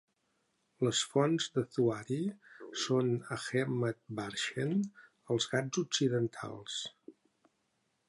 Les fonts del Zuari són a Hemad-Barshem als Ghats occidentals.